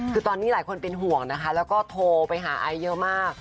คือตอนนี้หลายคนเป็นห่วงนะคะแล้วก็โทรไปหาไอซ์เยอะมาก